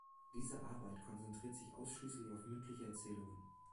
Diese Arbeit konzentriert sich ausschließlich auf mündliche Erzählungen.